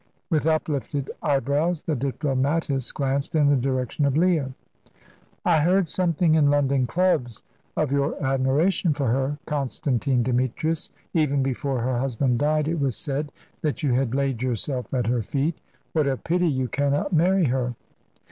With uplifted eyebrows the diplomatist glanced in the direction of Leah. "I heard something in London clubs of your admiration for her, Constantine Demetrius; even before her husband died it was said that you had laid yourself at her feet. What a pity you cannot marry her!